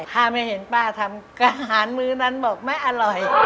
ถ้าไม่เห็นป้าทำอาหารมื้อนั้นบอกไม่อร่อย